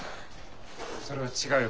それは違うよ